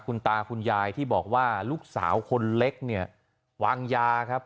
คุณตาคุณยายที่บอกว่าลูกสาวคนเล็กเนี่ยวางยาครับ